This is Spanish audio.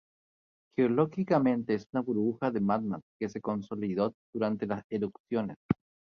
Geológicamente es una burbuja de magma que se consolidó durante las erupciones.